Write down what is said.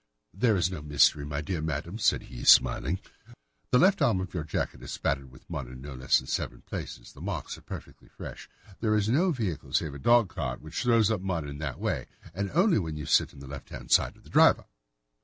"There is no mystery, my dear madam," said he, smiling. "The left arm of your jacket is spattered with mud in no less than seven places. The marks are perfectly fresh. There is no vehicle save a dog cart which throws up mud in that way, and then only when you sit on the left hand side of the driver."